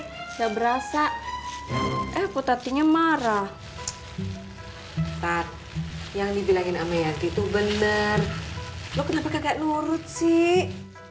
enggak berasa aku tadinya marah tat yang dibilangin ameyaki itu bener lu kenapa kagak lurut sih